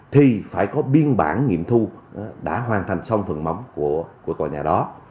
thì phải có biên bản nghiệm thu đã hoàn thành xong phần móng của tòa nhà đó